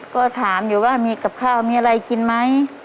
ก็ถามอยู่ว่ามีกับข้าวมีอะไรกินไหม